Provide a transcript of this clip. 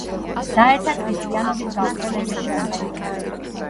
დაეცა ქრისტიანობის გავრცელების შემდეგ.